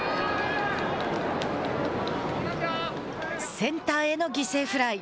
センターへの犠牲フライ。